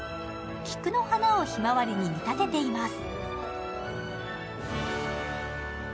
菊の花をひまわりに見立てています。